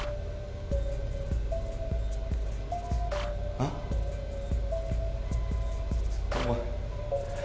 はっ？お前。